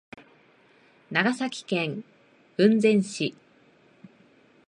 長崎県雲仙市